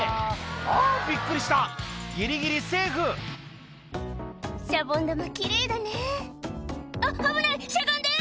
あびっくりしたギリギリセーフシャボン玉奇麗だねあっ危ないしゃがんで！